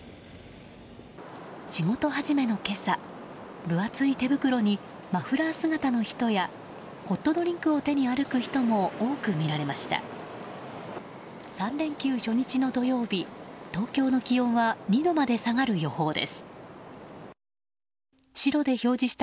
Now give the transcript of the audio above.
仕事始めの今朝分厚い手袋にマフラー姿の人やホットドリンクを手に歩く人も多く見られました。